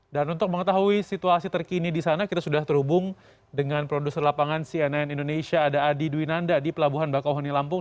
dan untuk mengetahui situasi terkini di sana kita sudah terhubung dengan produser lapangan cnn indonesia ada adi dwinanda di pelabuhan bakauhani lampung